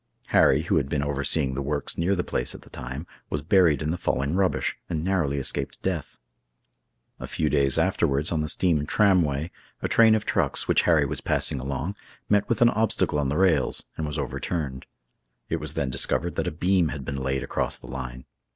Harry, who had been overseeing the works near the place at the time, was buried in the falling rubbish, and narrowly escaped death. A few days afterwards, on the steam tramway, a train of trucks, which Harry was passing along, met with an obstacle on the rails, and was overturned. It was then discovered that a beam had been laid across the line.